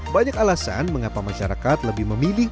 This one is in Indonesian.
banyak alasan mengapa masyarakat lebih memilih